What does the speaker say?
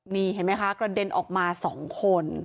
นี่เห็นไหมคะกระเด็นออกมา๒คน